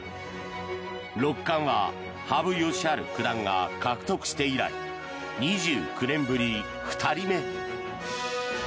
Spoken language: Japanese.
六冠は羽生善治九段が獲得して以来２９年ぶり２人目。